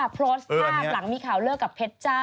โพสต์ภาพหลังมีข่าวเลิกกับเพชรจ้า